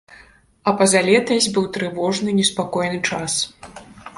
А пазалетась быў трывожны неспакойны час.